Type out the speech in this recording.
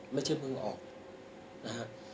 ไม่ใช่เพิ่งออกนะครับ